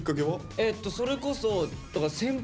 えっとそれこそ先輩と。